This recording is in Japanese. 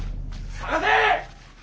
捜せ！